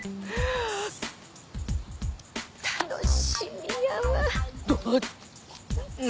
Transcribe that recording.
楽しみやわうわ！